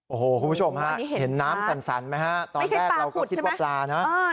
โอ้โหคุณผู้ชมฮะเห็นน้ำสันไหมฮะตอนแรกเราก็คิดว่าพลาเนอะคุณป่าวนี่เห็นค่ะ